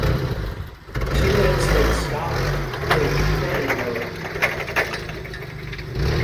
She lives in Scotland, in Edinburgh